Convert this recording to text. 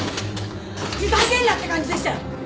ふざけんな！って感じでしたよ。